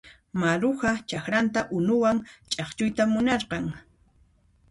Maruja chakranta unuwan ch'akchuyta munarqan.